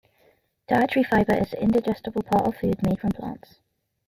Dietary fiber is the indigestible part of food made from plants.